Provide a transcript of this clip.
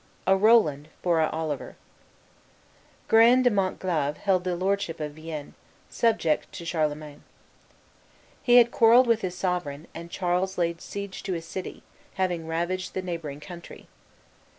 A ROLAND FOR AN OLIVER Guerin de Montglave held the lordship of Vienne, subject to Charlemagne. He had quarrelled with his sovereign, and Charles laid siege to his city, having ravaged the neighboring country.